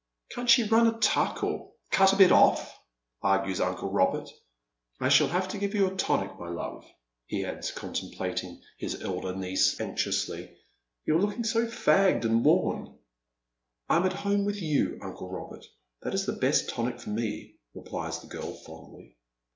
" Can't she run a tuck, or cut a bit off?" argues uncle Robert. "I shall havetogiveyouatonic,m3' love," he adds, contemplating his elder niece anxiously, "you are looking so fagged and worn." " I am at home with you, uncle Eobert ; that is the best tonic for me,'' replies the girl fondly.